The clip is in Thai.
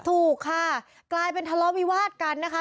ถูกค่ะกลายเป็นทะเลาะวิวาดกันนะคะ